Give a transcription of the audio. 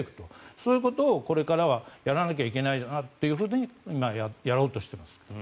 そういうことをこれからはやらないといけないということで今、やろうとしています。